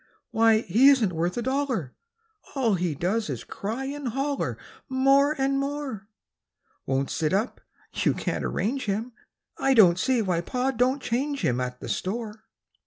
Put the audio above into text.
Why, he isn't worth a dollar! All he does is cry and holler More and more; Won't sit up you can't arrange him, I don't see why Pa do'n't change him At the store.